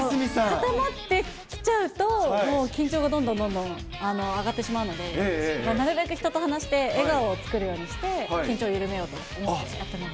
固まってきちゃうともう緊張がどんどんどんどん上がってしまうので、なるべく人と話して、笑顔を作るようにして、緊張を緩めようと思ってやってます。